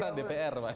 kan dpr pak